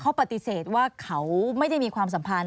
เขาปฏิเสธว่าเขาไม่ได้มีความสัมพันธ